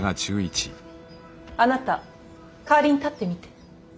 あなた代わりに立ってみて。